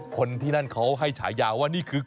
คนที่นั่นเขาให้ฉายาว่านี่คือ